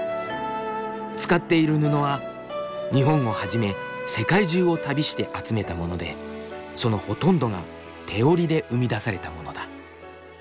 使っている布は日本をはじめ世界中を旅して集めたものでそのほとんどが手織りで生み出されたものだ。